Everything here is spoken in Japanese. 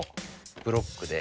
ブロックで。